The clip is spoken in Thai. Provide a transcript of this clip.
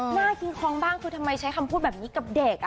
หน้าคิงคล้องบ้างคือทำไมใช้คำพูดแบบนี้กับเด็ก